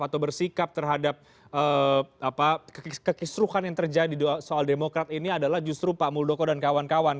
atau bersikap terhadap kekisruhan yang terjadi soal demokrat ini adalah justru pak muldoko dan kawan kawan